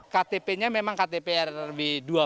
ktp nya memang ktp rw dua belas